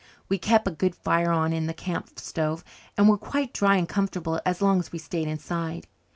We kept a good fire on in the camp stove and were quite dry and comfortable as long as we stayed inside.